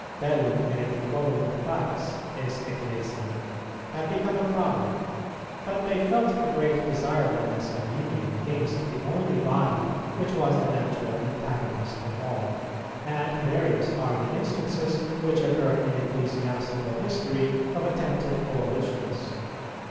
"Bellum hæreticorum pax est ecclesiæ" had become a proverb; but they felt the great desirableness of union against the only body which was the natural antagonist of all, and various are the instances which occur in ecclesiastical history of attempted coalitions.